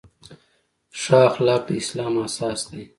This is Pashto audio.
ښه اخلاق د اسلام اساس دی.